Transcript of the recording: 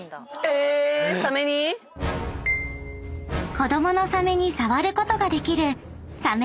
［子供のサメに触ることができる］